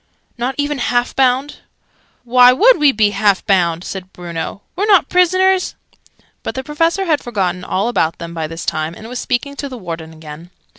"Not even half bound?" "Why would we be half bound?" said Bruno. "We're not prisoners!" But the Professor had forgotten all about them by this time, and was speaking to the Warden again.